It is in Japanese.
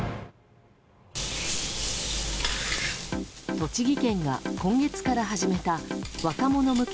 栃木県が今月から始めた若者向け